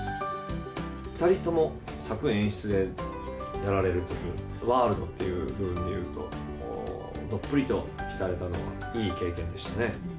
お２人とも、作・演出でやられるという、ワールドっていう部分でいうと、どっぷりと浸れたのがいい経験でしたね。